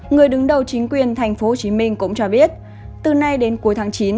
người đứng đầu chính quyền tp hcm cũng cho biết từ nay đến cuối tháng chín